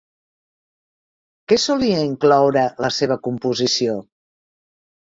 Què solia incloure la seva composició?